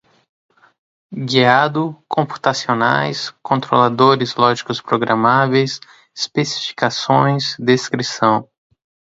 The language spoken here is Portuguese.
Guiado, computacionais, controladores lógicos programáveis, especificações, descrição